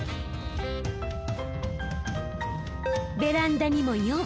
ベランダにも４。